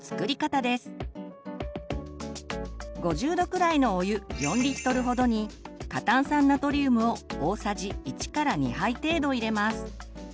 ５０℃くらいのお湯４ほどに過炭酸ナトリウムを大さじ１２杯程度入れます。